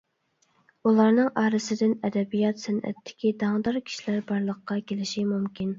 ئۇلارنىڭ ئارىسىدىن ئەدەبىيات-سەنئەتتىكى داڭدار كىشىلەر بارلىققا كېلىشى مۇمكىن.